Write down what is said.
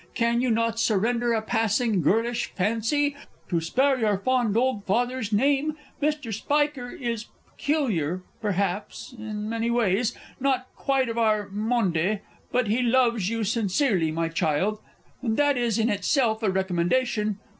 Can you not surrender a passing girlish fancy, to spare your fond old father's fame? Mr. Spiker is peculiar, perhaps, in many ways not quite of our monde but he loves you sincerely, my child, and that is in itself a recommendation.